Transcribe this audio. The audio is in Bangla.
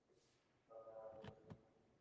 বউদি, একটা কথা বলি শোনো।